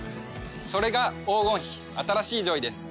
それが黄金比新しいジョイです。